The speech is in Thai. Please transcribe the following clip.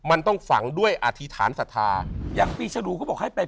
มันต้องฝังด้วยอธิษฐานศรัทธาอย่างปีชรูเขาบอกให้ไป